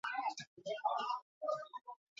Txio horiak hiru azpiespezie ditu.